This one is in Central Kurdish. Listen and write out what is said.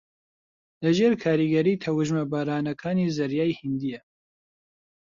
لەژێر کاریگەری تەوژمە بارانەکانی زەریای ھیندییە